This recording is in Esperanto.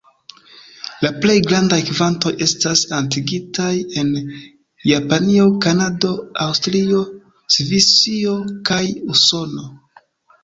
La plej grandaj kvantoj estas atingitaj en Japanio, Kanado, Aŭstrio, Svisio kaj Usono.